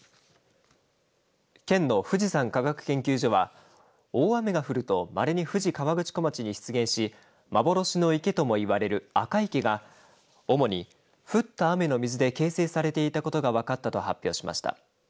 県の富士山科学研究所は大雨が降ると、まれに富士河口湖町に出現し幻の池ともいわれる赤池が主に降った雨の水で形成されていたことが分かったと発表しました。